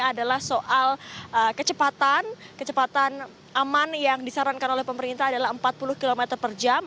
adalah soal kecepatan kecepatan aman yang disarankan oleh pemerintah adalah empat puluh km per jam